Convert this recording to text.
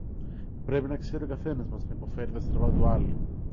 Πρέπει να ξέρει ο καθένας μας να υποφέρει τα στραβά του άλλου